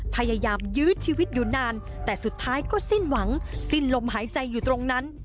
พยายามยื้อชีวิตอยู่นานแต่สุดท้ายก็สิ้นหวังสิ้นลมหายใจอยู่ตรงนั้น